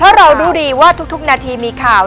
ถ้าเราดูดีว่าทุกนาทีมีข่าว